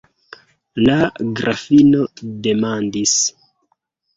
La grafino demandis: